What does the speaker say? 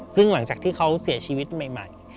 ซึ่งหลังจากที่เขาเสียชีวิตใหม่